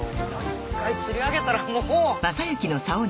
１回釣り上げたらもう。